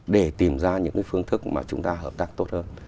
để tìm ra những cái phương thức mà chúng ta hợp tác tốt hơn